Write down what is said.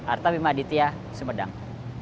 artabim aditya sumedang